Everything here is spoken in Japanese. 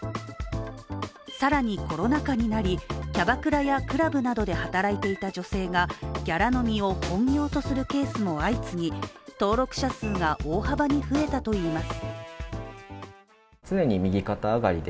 更にコロナ禍になり、キャバクラやクラブなどで働いていた女性が、ギャラ飲みを本業とするケースも相次ぎ登録者数が大幅に増えたといいます。